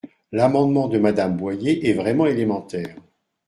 L’amendement de Madame Boyer est vraiment élémentaire.